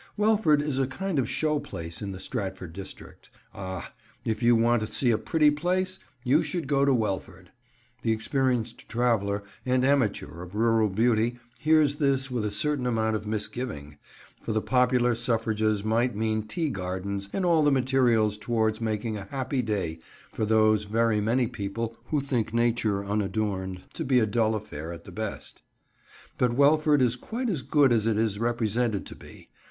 Welford is a kind of show place in the Stratford district. "Ah! if you want to see a pretty place, you should go to Welford." The experienced traveller and amateur of rural beauty hears this with a certain amount of misgiving, for the popular suffrages might mean tea gardens and all the materials towards making a happy day for those very many people who think nature unadorned to be a dull affair at the best. But Welford is quite as good as it is represented to be.